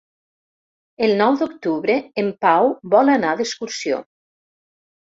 El nou d'octubre en Pau vol anar d'excursió.